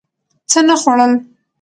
څه نه خوړل